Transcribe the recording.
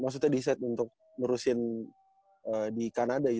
maksudnya di set untuk meneruskan di kanada